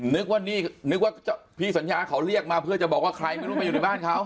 นึกว่านี่นึกว่าพี่สัญญาเขาเรียกมาเพื่อจะบอกว่าใครไม่รู้มาอยู่ในบ้านเขา